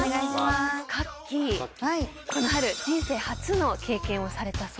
かっきーこの春人生初の経験をされたそうですね。